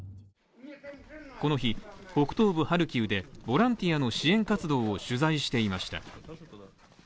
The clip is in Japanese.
この日、北東部ハルキウで、ボランティアの支援活動を取材していました。